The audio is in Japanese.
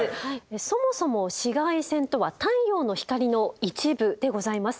そもそも紫外線とは太陽の光の一部でございます。